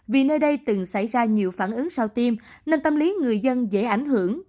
vì nơi đây từng xảy ra nhiều phản ứng sau tiêm nên tâm lý người dân dễ ảnh hưởng